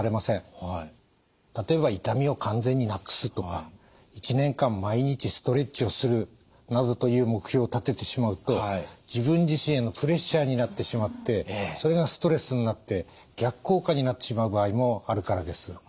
例えば「痛みを完全になくす」とか「１年間毎日ストレッチをする」などという目標を立ててしまうと自分自身へのプレッシャーになってしまってそれがストレスになって逆効果になってしまう場合もあるからです。